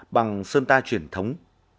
bằng sơn ta truyền thống